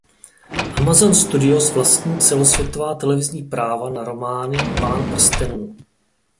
Amazon Studios vlastní celosvětová televizní práva na romány "Pán prstenů".